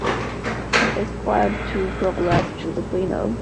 It failed to progress to the final.